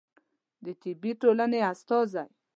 د طبي ټولنې استازی